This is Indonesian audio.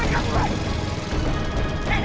jangan kabur weh